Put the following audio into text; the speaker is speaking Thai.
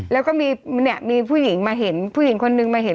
แล้วก็มีเนี่ยมีผู้หญิงมาเห็นผู้หญิงคนนึงมาเห็น